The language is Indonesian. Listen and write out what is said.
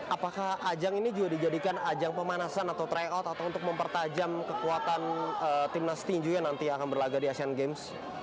apakah ajang ini juga dijadikan ajang pemanasan atau try out atau untuk mempertajam kekuatan tim nas tinju yang nanti akan berlagak di asean games